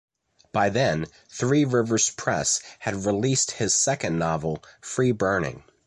By then, Three Rivers Press had released his second novel, "Free Burning".